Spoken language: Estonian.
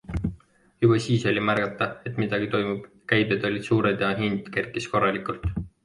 Juba siis oli märgata, et midagi toimub - käibed olid suured ja hind kerkis korralikult.